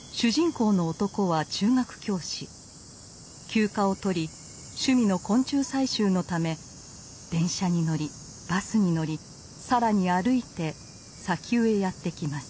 休暇を取り趣味の昆虫採集のため電車に乗りバスに乗り更に歩いて砂丘へやって来ます。